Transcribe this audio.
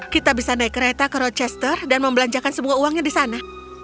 kita bisa naik kereta ke roachester dan membelanjakan semua uangnya di sana